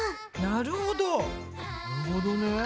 なるほどね。